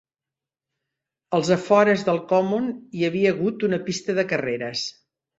Als afores del Common hi havia hagut una pista de carreres.